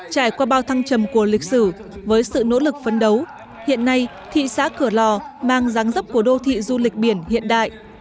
trải qua bao thăng trầm của lịch sử với sự nỗ lực phấn đấu hiện nay thị xã cửa lò mang giáng dấp của đô thị du lịch biển hiện đại